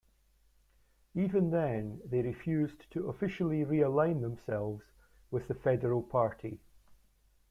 Even then, they refused to officially re-align themselves with the federal party.